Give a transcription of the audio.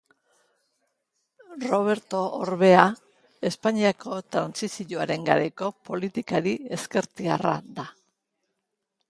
Roberto Orbea Espainiako trantsizioaren garaiko politikari ezkertiarra da.